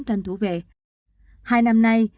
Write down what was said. tranh thủ về hai năm nay